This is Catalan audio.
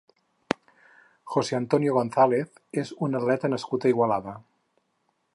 José Antonio González és un atleta nascut a Igualada.